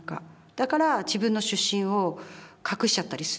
だから自分の出身を隠しちゃったりする。